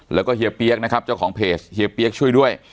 แล้วก็เฮียเปี๊ยกนะครับเจ้าของเพจเฮียเปี๊ยกช่วยด้วย